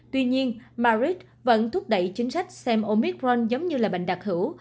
tuy nhiên madrid vẫn thúc đẩy chính sách xem omicron giống như là bệnh đặc hữu